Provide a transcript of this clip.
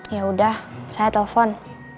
yaudah saya telepon